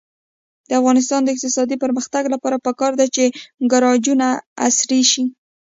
د افغانستان د اقتصادي پرمختګ لپاره پکار ده چې ګراجونه عصري شي.